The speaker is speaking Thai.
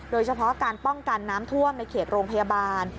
โดยเฉพาะการป้องกันน้ำท่วมในเขตโรงพยาบาล